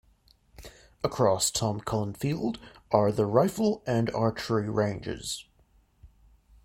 Across Tom Cullen Field are the rifle and archery ranges.